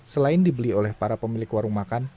selain dibeli oleh para pemilik warung makan